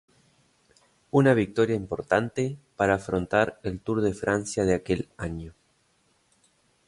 Una victoria importante para afrontar el Tour de Francia de aquel año.